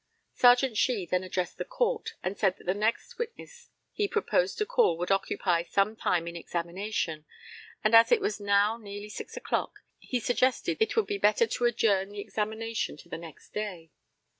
Serjeant SHEE then addressed the Court, and said that the next witness he proposed to call would occupy some time in examination, and, as it was now nearly 6 o'clock, he suggested that it would be better to adjourn the examination to the next day.